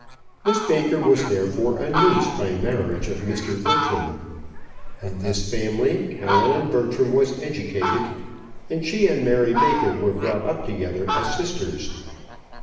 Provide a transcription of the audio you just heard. Miss Baker was therefore a niece, by marriage, of Mr. Bertram. In this family, Caroline Bertram was educated, and she and Mary Baker were brought up together as sisters.